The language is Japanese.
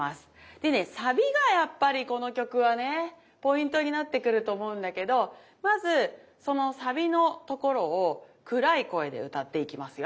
でねサビがやっぱりこの曲はねポイントになってくると思うんだけどまずそのサビのところを暗い声で歌っていきますよ。